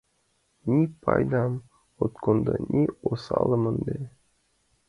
Ни пайдам от кондо, ни осалым... ынде.